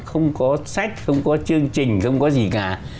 không có sách không có chương trình không có gì cả